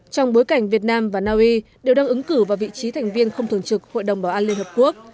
trong bối cảnh việt nam và naui đều đang ứng cử vào vị trí thành viên không thường trực hội đồng bảo an liên hợp quốc